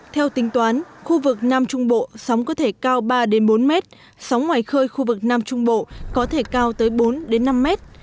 theo tính toán khu vực nam trung bộ sóng có thể cao ba bốn mét sóng ngoài khơi khu vực nam trung bộ có thể cao tới bốn năm mét